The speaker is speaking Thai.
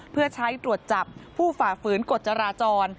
เพื่อใช้ตรวจจับผู้ฝ่าฝืนกฎจราจร